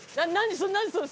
それ！何？